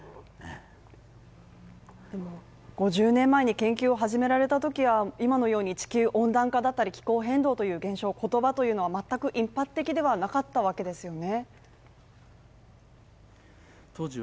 ５０年前に研究を始められたときは、今のように地球温暖化だったり気候変動という言葉は全く一般的ではなかったわけですよね？